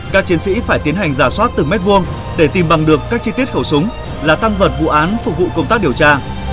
các chiến sĩ phải tiến hành giả soát từng mét vuông để tìm bằng được các chi tiết khẩu súng là tăng vật vụ án phục vụ công tác điều tra